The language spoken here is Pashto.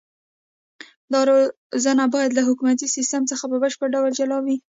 دا روزنه باید له حکومتي سیستم څخه په بشپړ ډول جلا وي.